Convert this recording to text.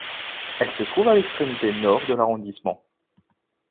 Elle se trouve à l'extrémité nord de l'arrondissement.